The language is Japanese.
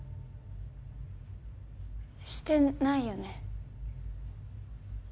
してないよね？